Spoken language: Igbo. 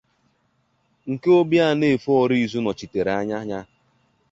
nke Obianefo Orizu nọchitere anya ya